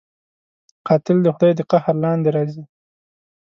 قاتل د خدای د قهر لاندې راځي